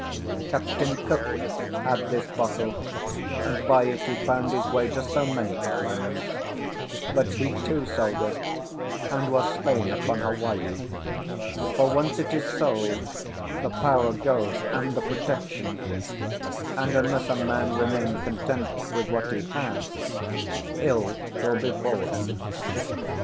Captain Cook had this bottle, and by it he found his way to so many islands; but he, too, sold it, and was slain upon Hawaii. For, once it is sold, the power goes and the protection; and unless a man remain content with what he has, ill will befall him."